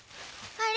あれ？